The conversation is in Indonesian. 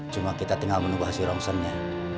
cuma kita tinggal menubah si rongsennya